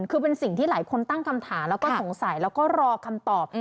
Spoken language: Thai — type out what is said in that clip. คือเป็นสิ่งที่หลายคนตั้งคำถามแล้วก็สงสัยแล้วก็รอคำตอบ